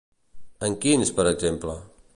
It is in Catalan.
En quins, per exemple?